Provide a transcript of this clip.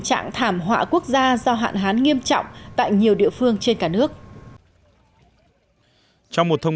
trạng thảm họa quốc gia do hạn hán nghiêm trọng tại nhiều địa phương trên cả nước trong một thông